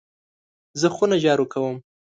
زه خونه جارو کوم .